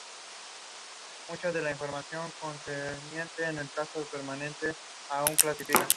Jugaba de defensa y ahora es entrenador del Huddersfield Town, de la Premier League.